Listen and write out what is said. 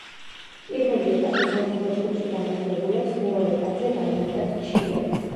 პირველი ეტაპის ორ ქვეჯგუფში გამარჯვებულებს მეორე ეტაპზე დაემატათ ჩილე.